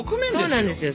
そうなんですよ